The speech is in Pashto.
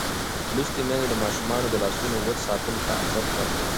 لوستې میندې د ماشومانو د لاسونو وچ ساتلو ته ارزښت ورکوي.